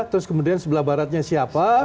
terus kemudian sebelah baratnya siapa